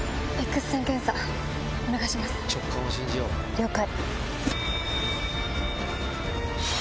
了解。